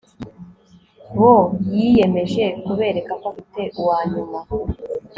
bo. yiyemeje kubereka ko afite uwanyuma